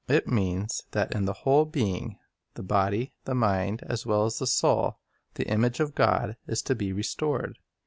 It means that in the whole being — the body, the mind, as well as the soul — the image of God is to be restored.